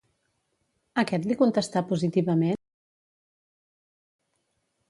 Aquest li contestà positivament?